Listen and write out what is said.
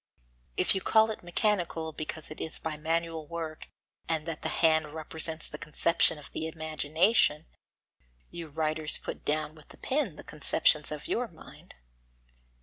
If you call it mechanical because it is by manual work and that the hand represents the conception of the imagination, you writers put down with the pen the conceptions of your mind.